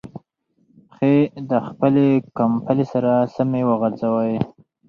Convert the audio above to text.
پښې د خپلې کمپلې سره سمې وغځوئ.